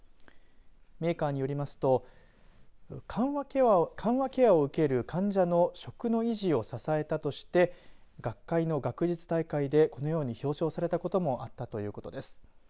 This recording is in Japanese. メーカーによりますと緩和ケアを受ける患者の食の維持を支えたとして学会の学術大会でこのように表彰されたこともあったということです。